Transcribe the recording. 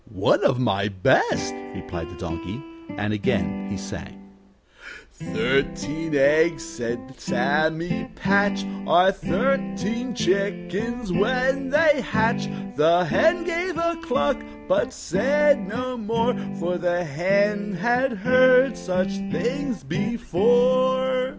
"One of my best," replied the Donkey. And again he sang: "'Thirteen eggs,' said Sammy Patch, 'Are thirteen chickens when they hatch.' The hen gave a cluck, but said no more; For the hen had heard such things before.